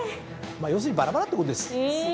要するにバラバラってことです。